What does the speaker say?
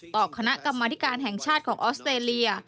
คณะกรรมธิการแห่งชาติของออสเตรเลีย